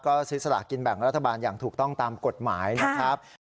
ก็ซื้อสลากินแบ่งรัฐบาลอย่างถูกต้องตามกฎหมายนะครับ